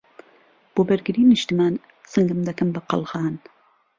بۆ بەرگریی نیشتمان، سنگم دەکەم بە قەڵغان